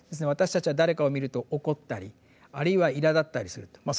私たちは誰かを見ると怒ったりあるいはいらだったりすると。